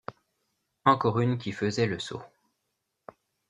Encore une qui faisait le saut!